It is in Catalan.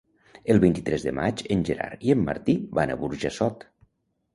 El vint-i-tres de maig en Gerard i en Martí van a Burjassot.